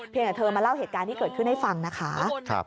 เธอมาเล่าเหตุการณ์ที่เกิดขึ้นให้ฟังนะคะ